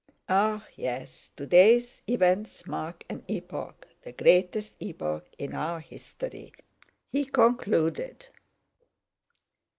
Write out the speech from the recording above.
"Ah, yes! Today's events mark an epoch, the greatest epoch in our history," he concluded.